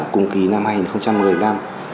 cùng kỳ năm hai nghìn một mươi năm